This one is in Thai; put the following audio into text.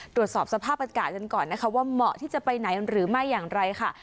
ตรวจสอบสภาพอากาศกันก่อนนะคะว่าเหมาะที่จะไปไหนหรือไม่อย่างไรค่ะ